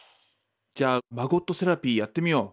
じゃあマゴットセラピーやってみよう。